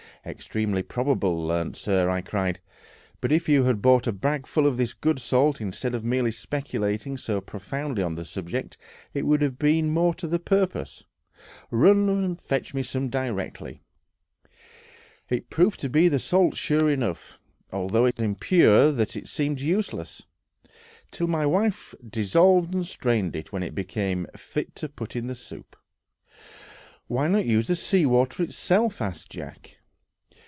"Extremely probable, learned sir," cried I; "but if you had brought a bagful of this good salt instead of merely speculating so profoundly on the subject, it would have been more to the purpose. Run and fetch some directly." It proved to be salt sure enough, although so impure that it seemed useless, till my wife dissolved and strained it, when it became fit to put in the soup. "Why not use the sea water itself?" asked Jack.